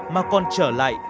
mà còn trở lại